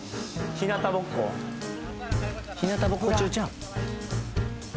ひなたぼっこ中ちゃん？